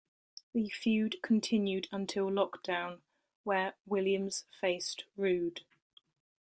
The feud continued until Lockdown, where Williams faced Roode.